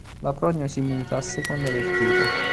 La prognosi muta a seconda del tipo.